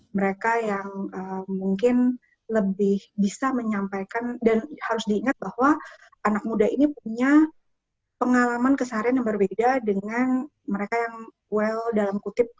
mereka yang mungkin lebih bisa menyampaikan dan harus diingat bahwa anak muda ini punya pengalaman keseharian yang berbeda dengan mereka yang well dalam kutip